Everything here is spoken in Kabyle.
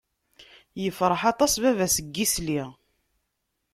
Ifreḥ aṭas baba-s n yisli.